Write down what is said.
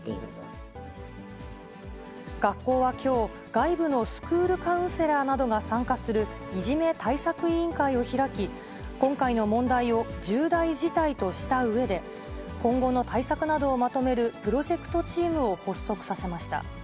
学校はきょう、外部のスクールカウンセラーなどが参加するいじめ対策委員会を開き、今回の問題を重大事態としたうえで、今後の対策などをまとめるプロジェクトチームを発足させました。